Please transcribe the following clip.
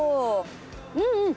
うんうん。